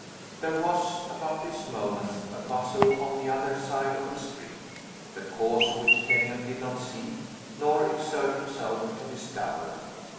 There was, about this moment, a bustle on the other side of the street, the cause of which Kenyon did not see, nor exert himself to discover.